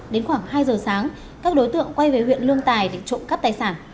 đến khoảng hai giờ sáng các đối tượng quay về huyện lương tài để trộm cắp tài sản